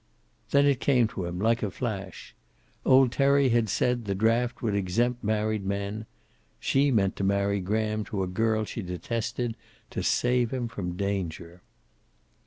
Then it came to him, like a flash. Old Terry had said the draft would exempt married men. She meant to marry Graham to a girl she detested, to save him from danger.